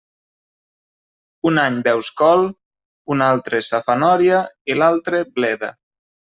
Un any veus col; un altre, safanòria, i l'altre, bleda.